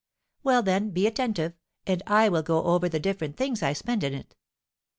"Well, then, be attentive, and I will go over the different things I spend in it.